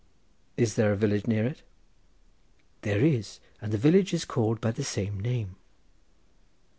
"Is there a village near it?" "There is, and the village is called by the same name."